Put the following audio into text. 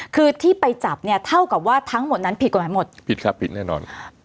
คือที่ไปจับเนี่ยเท่ากับว่าทั้งหมดนั้นผิดกฎหมายหมดผิดครับผิดแน่นอน